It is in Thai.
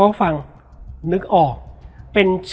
แล้วสักครั้งหนึ่งเขารู้สึกอึดอัดที่หน้าอก